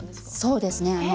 そうですね。